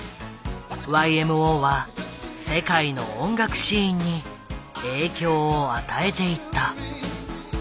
ＹＭＯは世界の音楽シーンに影響を与えていった。